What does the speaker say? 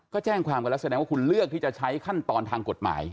ก็แจ้งความกันแล้วแสดงว่าคุณเลือกที่จะใช้ขั้นตอนทางกฎหมาย